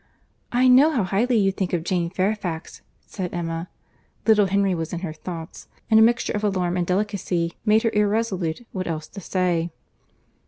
"I know how highly you think of Jane Fairfax," said Emma. Little Henry was in her thoughts, and a mixture of alarm and delicacy made her irresolute what else to say.